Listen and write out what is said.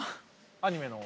アニメの。